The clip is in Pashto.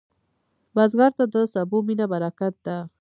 بزګر ته د سبو مینه برکت ده